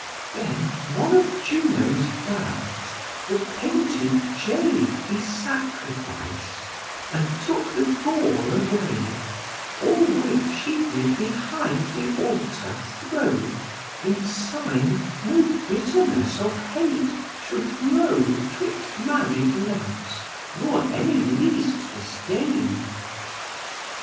Then one of Juno's birds, the painted jay, He sacrific'd, and took the gall away; All which he did behind the altar throw, In sign no bitterness of hate should grow, 'Twixt married loves, nor any least disdain.